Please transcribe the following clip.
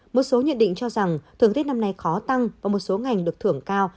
một số nhận định cho rằng thường tết năm nay khó tăng và một số ngành được thưởng cao